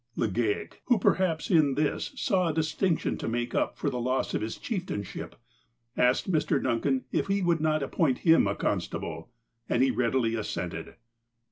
Legale, who perhaps in this saw a distinction to make up for the loss of his chieftainship, asked Mr. Duncan if he would not appoint him a constable, and he readily assented.